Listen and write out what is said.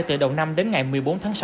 từ đầu năm đến ngày một mươi bốn tháng sáu